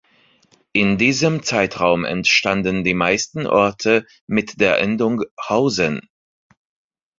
In diesem Zeitraum entstanden die meisten Orte mit der Endung „hausen“.